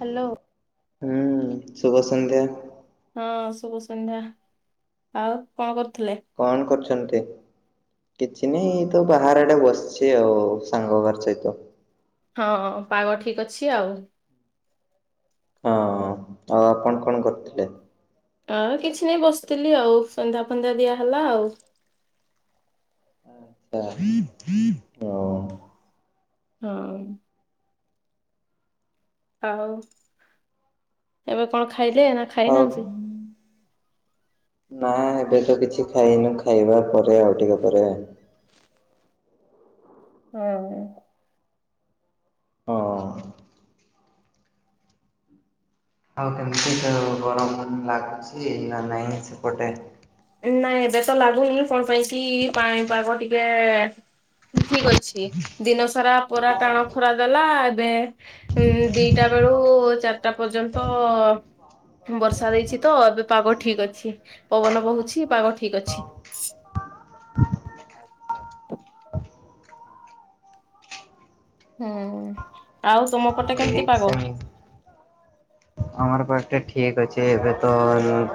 Hello. ହୁଁ ଶୁଭ ସଂନ୍ଧ୍ୟା। ହଁ ଶୁଭ ସଂନ୍ଧ୍ୟା। ଆଉ କଣ କରୁଥିଲେ? କଣ କରୁଛନ୍ତି? କିଛି ନି ଏଇ ତ ବାହର ଆଡେ ବସିଛି ଆଉ ସାଙ୍ଗ ଘର ସହିତ। ହଁ ପାଗ ଠିକ ଅଛି ଆଉ। ହଁ। ଆଉ ଆପଣ କଣ କରୁଥିଲେ? ଅ କିଛି ନାଇଁ ବସିଥିଲି ଆଉ। ସନ୍ଧ୍ୟା ଫନ୍ଧ୍ୟା ଦିଆ ହେଲା ଆଉ। ଅ ହ ଅ ହ। ହଁ। ଆଉ ଏବେ କଣ ଖାଇଲେ ନା ଆଉ ଖାଇନାହାନ୍ତି? ନା ଏବେ ତ କିଛି ଖାଇନୁ ଖାଇବା ପରେ ଆଉ ଟିକେ ପରେ। ହୁଁ। ହଁ। ଆଉ କେମିତି ତ ଗରମ ଲାଗୁଛି ନା ନାଇଁ ସେପଟେ। ନାଇଁ ଏବେ ତ ଲାଗୁନି କଣ ପାଇଁ କି ପାଣିପାଗ ଟିକେ ଠିକ ଅଛି। ଚି। ଦିନ ସାରା ପୁରା ଟାଣ ଖରା ଦେଲା ଏବେ ହୁଁ ଦିଟା ବେଳୁ ଚାରିଟା ପର୍ଯ୍ୟନ୍ତ ବର୍ଷା ଦେଇଛି ତ ଏବେ ପାଗ ଠିକ ଅଛି। ପବନ ବହୁଛି ପାଗ ଠିକ ଅଛି। ହୁଁ ଆଉ ତମ [inaudible] ଆମର ପାଗ ଟା ଠିକ ଅଛି ଏବେ ତ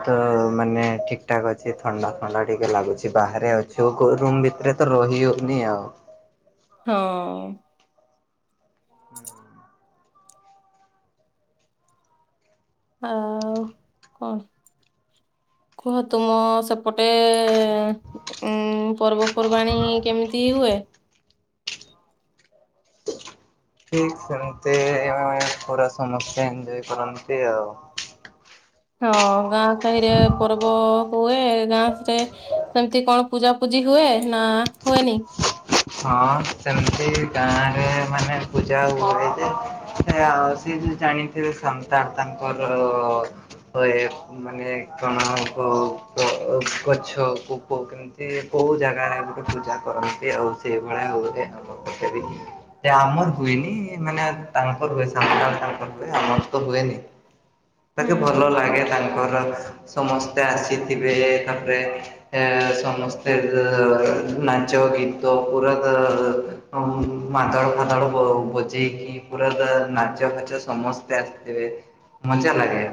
ତ ମାନେ ଠିକଠାକ ଅଛ ଛି। ଥଣ୍ଡା ଥଣ୍ଡା ଟିକେ ଲାଗୁଛି ବାହାରେ ଅଛୁ ରୁମ୍ ଭିତରେ ତ ରହି ହଉନି ଆଉ। ହଁ। ଆଉ କଣ? କୁହ ତୁମ ସେପଟେ ଉଁ ପର୍ବପର୍ବାଣୀ କେମିତି ହୁଏ? ଏମିତି ପୁରା ସମସ୍ତେ ଏନଜୟେ କରନ୍ତି ଆଉ। ହଁ ଗାଁ ସାହିରେ ପର୍ବ ହୁଏ ଗାଁ କୁ ଯାଏ ସେମତି କଣ ପୂଜାପୂଜି ହୁଏ ନା ହୁଏନି? ହଁ ସେମିତି ଗାଁରେ ମାନେ ପୂଜା ହୁଏ ଯେ ସେ ଆଉ ସେ ଜାଣି ଥିବେ ସନ୍ତାନ ତାଙ୍କର। ହଏ ମାନେ କଣ କୋଉ କ ଗଛ କୋଉ ପକାର ଏମତି କୋଉ ଜାଗାରେ ଗୋଟେ ପୂଜା କରନ୍ତି ଆଉ ସେଇଭଳିଆ ହୁଏ ଆମ [inaudible] ସେ ଆମର ହୁଏନି ମାନେ ତାଙ୍କର ହୁଏ [inaudible] ତାଙ୍କର ହୁଏ ଆମର ତ ହୁଏନି। ହ ତାକେ ଭଲ ଲାଗେ ତାଙ୍କର ସମସ୍ତେ ଆସିଥିବେ ତାପରେ ଏ ସମସ୍ତେ ଅ ନାଚ ଗୀ ତ ପୁରା ତ ଅଁ ମାନ୍ଦାଳ ଫାନ୍ଦାଳ ବଜେଇକି। ପୁରା ତ ନାଚ ଫାଚ ସମସ୍ତେ ଆସିଥିବେ, ମଜା ଲାଗେ।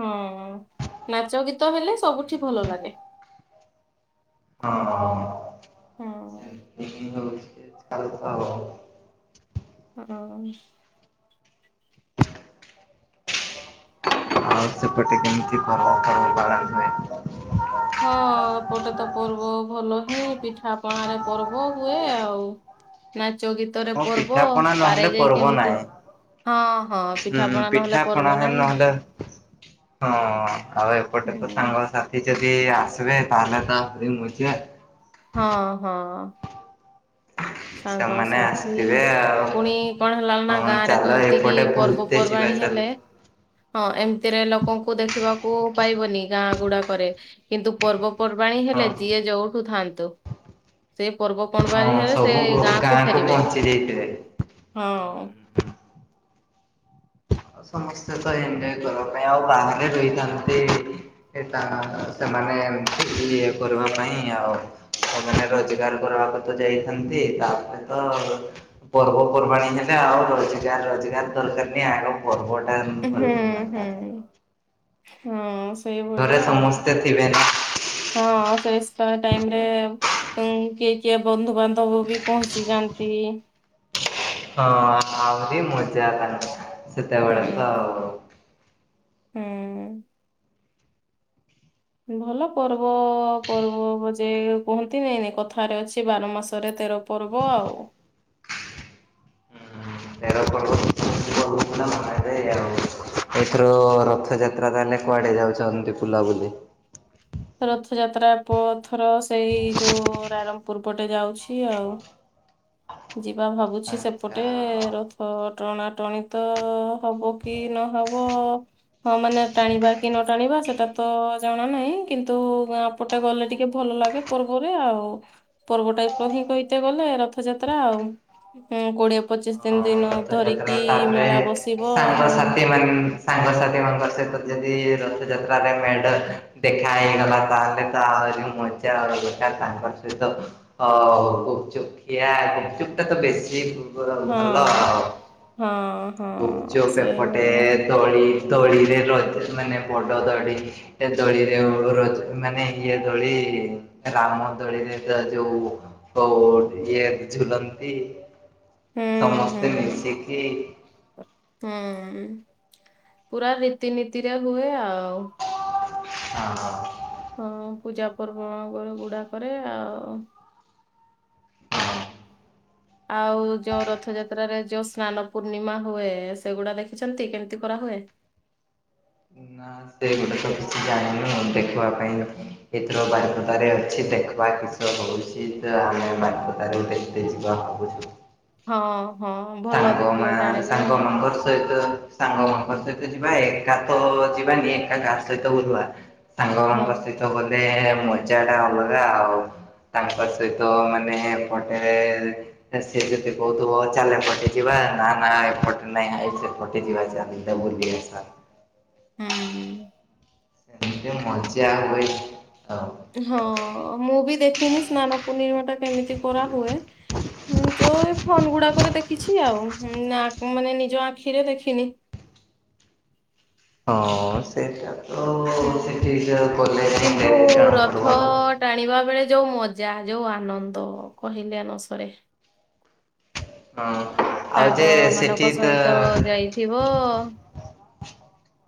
ହଁ ନାଚ ଗୀତ ହେଲେ ସବୁଠି ଭଲ ଲାଗେ। ହଁ ହଁ ସେମିତି ହଉଛି ଆଉ ତ। ହୁଁ ଉଁ। [inaudible] ସେପଟେ କେମିତି ପର୍ବ ଫର୍ବ ପାଳନ ହୁଏ? ହଁ ଏପଟେ ତ ପର୍ବ ଭଲ ହିଁ ପିଠାପଣାରେ ପର୍ବ ହୁଏ ଆଉ। ନାଚ ଗୀତରେ ହଁ ପର୍ବ ପିଠାପଣା ନହେଲେ ପାରାଇ ଯାଇ ପର୍ବ କେମିତି ନାହିଁ। ହଁ ହଁ ହୁଁ ପିଠାପଣା ନହେଲେ ପିଠାପଣା ପର୍ବ ନାହିଁ। ନହେଲେ ହଁ ଆଉ ଏପଟେ ତ ହୁଁ ସାଙ୍ଗ ସାଥି ଯଦି ଆସିବେ ତାହେଲେ ତ [unintelligible] ମୁଁ ଯିବେ। ହଁ ହଁ। ସେମାନେ ସାଙ୍ଗସାଥି ଆସିଥିବେ ଆଉ। ପୁଣି କଣ ହେଲା ନା ହଁ ଗାଁ ରେ ଚାଲ କହନ୍ତି କି ଏପଟେ ପର୍ବ ବୁଲତେ ଯିବା ପର୍ବାଣୀ ଚାଲ। ହେଲେ ହଁ ଏମିତିରେ ଲୋକଙ୍କୁ ଦେଖିବାକୁ ପାଇବନି ଗାଁ ଗୁଡାକରେ କିନ୍ତୁ ପର୍ବ ପର୍ବାଣି ହଁ ହେଲେ ଯିଏ ଯୋଉଠୁ ଥାଆନ୍ତୁ ସେ ପର୍ବ ହଁ ପଣବାଣୀ ହେଲେ ସେ ସବୁ ଗାଁକୁ ଫେରିବେ ପହଞ୍ଚି ଯାଇଥିବେ। ହଁ। ଆଉ ସମସ୍ତେ ତ ଏନଜୟ କରିବା ପାଇଁ ଆଉ ବାହାରେ ରହିଥାନ୍ତି। ଏଟା ସେମାନେ ଏମ ଇଏ କରିବା ପାଇଁ ଆଉ। ସେମାନେ ରୋଜଗାର କରିବାକୁ ତ ଯାଇଥାନ୍ତି ତାପରେ ତ ପର୍ବପର୍ବାଣି ହେଲେ ଆଉ ରୋଜଗାର ରୋଜଗାର ଦରକାର ନି ଆଗ ପର୍ବଟାନ ହୁଁ ଭଲକି ମାତାନ୍। ହୁଁ ହଁ। ଘରେ ସେଇଭଳିଆ ଆଉ ସମସ୍ତେ ଥିବେନା ହଁ ସେଇ ଟାଇମରେ ଉଁ କିଏ କିଏ ବନ୍ଧୁବାନ୍ଧବ ବି ପହଞ୍ଚି ଯାଆନ୍ତି। ହଁ ଆହୁରି ମଜା ତାଙ୍କ ହୁଁ ସେତେବେଳେ ତ ଆଉ। ହୁଁ। ଭଲ ପର୍ବ ପର୍ବ ଯେ କୁହନ୍ତି ନିନି କଥାରେ ଅଛି ବାର ମାସରେ ତେର ପର୍ବ ଆଉ। [unintelligible] ଏଥିର ରଥଯାତ୍ରା ଆମେ କୁଆଡେ ଯାଉଛନ୍ତି ବୁଲାବୁଲି? ରଥଯାତ୍ରା ପ ଥର ସେଇ ଯୋଉ ରାଇରଙ୍ଗପୁର ପଟେ ଯାଉଛି ଆଉ। ଯିବା ଭାବୁଛି ଆଚ୍ଛା ସେପଟେ ରଥ ଟଣାଟଣି ତ ହବ। କି ନହବ। ହଁ ମାନେ ଟାଣିବା କି ନ ଟାଣିବା ସେଟା ତ ଜଣା ନାହିଁ କିନ୍ତୁ ଗାଁ ପଟେ ଗଲେ ଟିକେ ଭଲ ଲାଗେ ପର୍ବରେ ଆଉ ପର୍ବଟା ହିଁ କହିତେ ଗଲେ ରଥଯା ତ୍ରା ଆଉ ଉଁ କୋଡିଏ ପଚିଶ ଦିନ ହଁ ଦିନ ଧରିକି ମେଳା ବସିବ। ହଁ ସାଥି ମାନେ ସାଙ୍ଗସାଥି ମାନଙ୍କ ସହିତ ଯଦି ରଥଯାତ୍ରାରେ ମେଡ ଦେଖା ହେଇଗଲା ତାହେଲେ ତ ଆହୁରି ମଜା ଆଉ ତାଙ୍କର ସହିତ ଅ ଗୁପଚୁପ ଖିଆ ଗୁପଚୁପ ଟା ତ ବେଶି ହଁ ଭଲ ଆଉ ହଁ ହଁ ଗୁପଚୁପ ଏପଟେ ସେଇଭଳିଆ ଦୋଳି ଦୋଳିରେ ରେ ର ମାନେ ବଡ଼ ତଡ଼ି ଏ ଦଳିରେ ରଜ ମାନେ ଇଏ ଦୋଳି ରାମ ଦୋଳିରେ ତ ଯୋଉ ହୋ ଇଏ ଝୁଲନ୍ତି। ହୁଁ ହୁଁ ସମସ୍ତେ ମିଶିକି ହୁଁ ପୁରା ରୀତିନୀତିରେ ହୁଏ ଆଉ। ହଁ। ହଁ ପୂଜାପର୍ବ ଗୁଡ଼ ଗୁଡାକରେ ଆଉ ଆଉ ଯୋଉ ରଥଯାତ୍ରାରେ ଯୋଉ ସ୍ନାନ ପୂର୍ଣ୍ଣିମା ହୁଏ ସେଗୁଡା ଦେଖିଛନ୍ତି କେମିତି କରାହୁଏ। ନା ସେଗୁଟେ ତ କିଛି ଜାଣିନି ଆଉ ଦେଖିବା ପାଇଁ ଏଥିର ବାରିପଦାରେ ଅଛି ଦେଖବା କିସ ହଉଚିତ ଆମେ ବାରପଦାରେ ଗୋଟେ [unintelligible] ହଁ। ହଁ ଭଲ ସାଙ୍ଗ ମା ଦେଖିଲେ ଜାଣିବେ ସାଙ୍ଗ ମଙ୍ଗର ସହିତ ସାଙ୍ଗମାନଙ୍କ ସହିତ ଯିବା ଏକା ତ ଯିବାନି ଏକା ଗା ସହିତ ବୁଲିବା? ହଁ। ସାଙ୍ଗମାନଙ୍କ ସହିତ ଗଲେ ମଜା ଟା ଅଲଗା ଆଉ। ତାଙ୍କ ସହିତ ମାନେ ଏପଟେ ସେ ଯଦି କହୁଥିବ ଚାଲ ଏପଟ ଯିବା ନା ନା ଏପଟେ ନାଁଇ ଆଇ ସେପଟେ ଯିବା ଚାଲେ ଯିବା ବୁଲିକି ଆସିବା। ହୁଁଁ। କେତେ ମଜା ହୁଏ ଆଉ। ହଁ ମୁଁ ବି ଦେଖିନି ସ୍ନାନ ପୂର୍ଣିମା ଟା କେମିତି କରାହୁଏ। ହୁଁ ତୋ ଏଇ ଫୋନ ଗୁଡାକରେ ଦେଖିଛି ଆଉ ନା ମାନେ ନିଜ ଆଖିରେ ଦେଖିନି। ହଁ ସେଇଟା ତ ହୁଁ। ସେଠିକି ଗଲେ କିନ୍ତୁ କେବେ ରଥ ଜଣାପଡିବନା। ଟାଣିବା ବେଳେ ଯୋଉ ମଜା ଯୋଉ ଆନନ୍ଦ କହିଲେ ନସରେ। ହଁ। ଆଉ ଯେ ସେଠି ସାଙ୍ଗମାନଙ୍କ ସହିତ ତ ଯାଇଥିବ।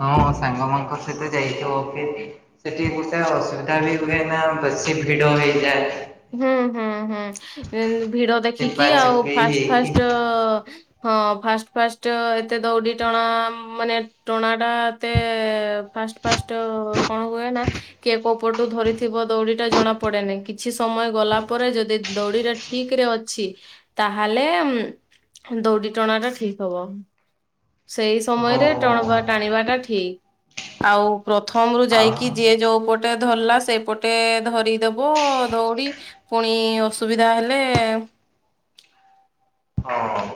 ହଁ ସାଙ୍ଗମାନଙ୍କ ସହିତ ଯାଇଥିବ କି? ସେଠି ଗୋଟେ ଅସୁବିଧା ବି ହୁଏ ନା ବେଶୀ ଭିଡ ହେଇଯାଏ। ହୁଁ ହୁଁ ହୁଁ ଭିଡ ଦେଖିକି ଚିପା ଆଉ ଚିପି ଫାଷ୍ଟ ହେଇକି ଫାଷ୍ଟ ହଁ ଫାଷ୍ଟ ଫାଷ୍ଟ ଏତେ ଦଉଡି ଟଣା ମାନେ ଟଣା ଟା ଏତେ ଫାଷ୍ଟ ଫାଷ୍ଟ କଣ କୁଏ ନା କିଏ କୋଉପଟରୁ ଧରିଥିବ ଦୌଡି ଟା ଜଣା ପଡେନି କି କିଛି ସମୟ ଗଲା ପରେ ଯଦି ଦଉଡିଟା ଠିକ ରେ ଅଛି ତାହାଲେ ଦୌଡି ଟଣାଟା ଠିକ ହବ। ସେଇ ହଁ ସମୟରେ ଟଣ ଟାଣିବାଟା ଠିକ। ଆଉ ପ୍ରଥମରୁୁ ଆଉ ଯାଇକି ଯିଏ ଯୋଉ ପଟେ ଧରିଲା ସେପଟେ ଧରି ଦେବ ଦଉଡ଼ି ପୁଣି ଅସୁବିଧା ହେଲେ ହଁ।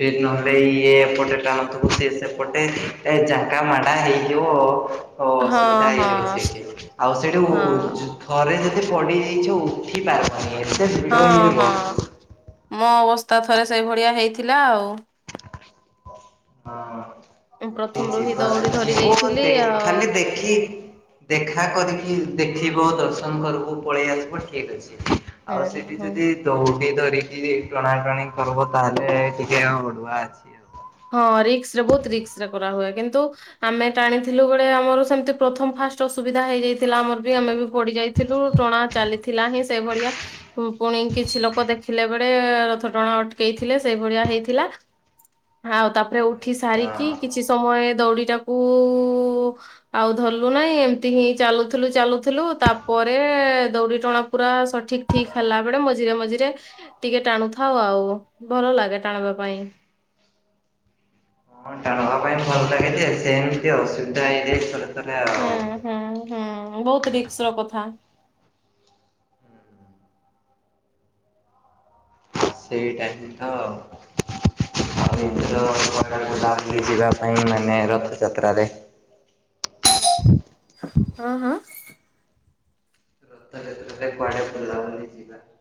ସେ ନହେଲେ ଇଏ ଏପଟେ ଟାଣୁଥିବ ସିଏ ସେପଟେ ଏ ଜାଙ୍କା ମାଣ୍ଡା ହେଇଯିବ। ଓ ହଁ ଅସୁବିଧା ହଁ ହେଇଯିବ ସ୍- ସେଇଠି ଆଉ ସେଇଠୁ ହଁ ଥରେ ଯଦି ପଡିଯାଇଚୁ ଉଠି ପାରିବନି ଏତେ ଭିଡ଼ ହଁ ହେଇଯିବ। ହଁ। ମୋ ଅବସ୍ଥା ଥରେ ସେଇଭଳିଆ ହେଇଥିଲା ଆଉ। ହଁ। ଉଁ ପ୍ର ଏଠି ଯିବା ଯିବ ମାନେ ଖାଲି ଦେଖି ଦେଖା କରିକି ଦେଖିବ ଦର୍ଶନ କରିବୁ ପଳେଇ ଆସିବୁ ଠିକ ଅଛି। ଆଉ ହୁଁ ସେଠି ହୁଁ। ଯଦି ଦୌଡି ଧରିକି ଟଣା ଟଣି କରିବ ତାହେଲେ ଟିକେ ଅଡୁଆ ଅଛି। ହଁ ରିକ୍ସରେ ବହୁତ ରିକ୍ସରେ କରା ହୁଏ କିନ୍ତୁ ଆମେ ଟାଣିଥିଲୁ ବେଳେ ଆମର ସେମିତି ପ୍ରଥମ ଫାଷ୍ଟ ଅସୁବିଧା ହେଇଯାଇଥିଲା ଆମର ବି ଆମେ ବି ପଡି ଯାଇ ଥିଲୁ ଟଣା ଚାଲିଥିଲା ହିଁ ସେଭଳିଆ। ପୁଣି କିଛି ଲୋକ ଦେଖିଲେ ବେଳେ ରଥ ଟଣା ଅଟକେଇଥିଲେ ସେଇଭଳିଆ ହେଇଥିଲା। ଆଉ ତାପରେ ଉଠି ଆଚ୍ଛା। ସାରିକି କିଛି ସମୟ ଦଉଡିଟାକୁ ଆଉ ଧରିଲୁ ନାହିଁ ଏମିତି ହିଁ ଚାଲୁଥିଲୁ ଚାଲୁଥିଲୁ ତାପରେ ଦଉଡ଼ି ଟଣା ପୁରା ସଠିକ ଠିକ ହେଲା ବେଳେ ମଝିରେ ମଝିରେ ଟିକେ ଟାଣୁଥାଉ ଆଉ ଭଲ ଲାଗେ ଟାଣିବା ପାଇଁ। ହଁ ଟାଣିବା ପାଇଁ ଭଲ ଲାଗେ ଯେ ସେମିତି ଅସୁବିଧା ହେଇଯାଏ ଥରେ ଥରେ ଆଉ। ହୁଁ ହୁଁ ହୁଁ ବହୁତ ରିକ୍ସର କଥା। ସେଇ ଟାଇମ ତ ଆ ଆଉ ଏଇଥର ହୁଁ। - ବାହାରିଛି ଯିବା ପାଇଁ ମାନେ ରଥଯାତ୍ରାରେ। ହୁଁ ହୁଁ। ନହେଲେ କୁଆଡେ ଭଲ ଲାଗୁନି ଯିବା କୁ।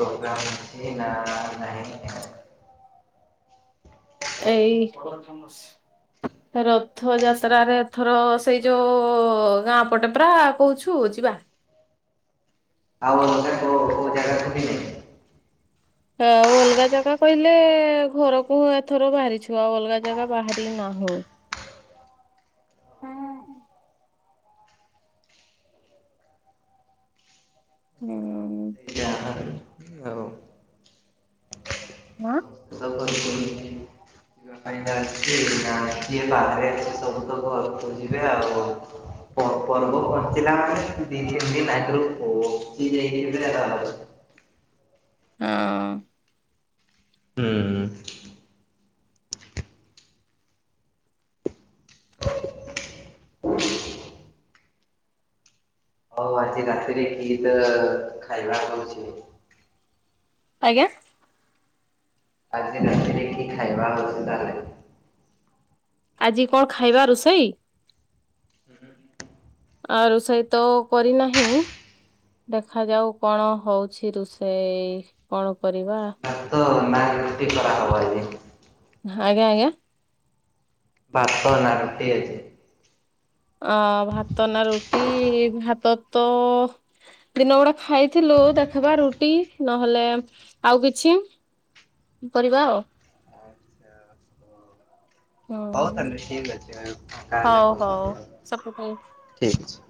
ପ୍ରୋଗ୍ରାମ ହୋଉଛି ନା ନାହିଁ। ଏଇ ରଥ ଯାତ୍ରାରେ ଏଥର ସେଇ ଯୋଉ ଗାଁ ପଟେ ପରା କହୁଛୁ ଯିବା। ଆଉ ଗୋଟେ କୋଉ କୋଉ ଜାଗାକୁ ଯିବିନି। ଆଉ ଅଲଗା ଜାଗା କହିଲେ ଘରକୁ ଏଥର ବାହାରିଛୁ ଆଉ ଅଲଗା ଜାଗା ବାହାରି ନାଁହୁ। ହୁଁ। ଯାହା। ହଉ। ହଁ। [unintelligible] ଫାଇଦା ଅଛି [unintelligible] ଆଜି ତ [unintelligible] ସବୁ ତ ଘରକୁ ଯିବେ ଆଉ। [unintelligible] ପହଁଚିଲା ମାନେ ଦିଇ [unintelligible] ହଁ ହୁଁ। ହଉ ଆଜି ରାତିରେ କି ତ ଖାଇବା ହୋଉଚି। ଆଜ୍ଞା। [unintelligible] ଖାଇବା ବ୍ୟବସ୍ଥା ଆଜି କଣ ଖାଇବା ରୋଷେଇ? ଆ ରୋଷେଇ ତ କରିନାହିଁ। ଦେଖାଯାଉ କଣ ହୋଉଚି ରୋଷେଇ କଣ କରିବା। ତ ଗଲା। [unintelligible] କରାହବ ନି। ଆଜ୍ଞା ଆଜ୍ଞା। ପାପ [unintelligible] ଅ ଭାତ ନା ରୁଟି ଭାତ ତ ଦିନ ଗୁଡା ଖାଇଥିଲୁ ଦେଖବା ରୁଟି ନହେଲେ ଆଉ କିଛି। କରିବା ଆଉ। ଆଚ୍ଛା ହଉ ହୁଁ ତାହେଲେ ଠିକ ଅଛି ଫାଙ୍କା ହେଲେ ହଉ କଲ୍ ହଉ କରିବ ସବୁ ଠିକ ଅଛି।